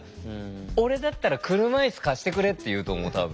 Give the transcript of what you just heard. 俺だったら「車いす貸してくれ」って言うと思う多分。